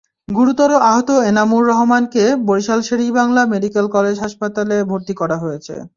গুরুতর আহত এনামুর রহমানকে বরিশালের শের-ই-বাংলা মেডিকেল কলেজ হাসপাতালে ভর্তি করা হয়েছে।